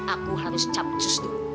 aku harus capcus dulu